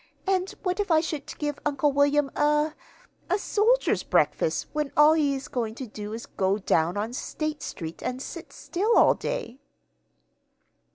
And what if I should give Uncle William a a soldier's breakfast when all he is going to do is to go down on State Street and sit still all day?"